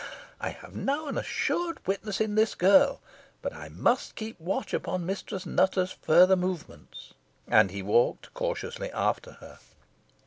I have now an assured witness in this girl. But I must keep watch upon Mistress Nutter's further movements." And he walked cautiously after her.